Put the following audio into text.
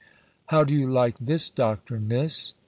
How do you like this doctrine, Miss?